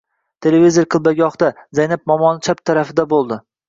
Televizor qiblagohda — Zaynab momoni chap tarafida bo‘ldi.